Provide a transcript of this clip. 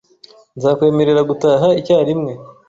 Nzakwemerera gutaha icyarimwe.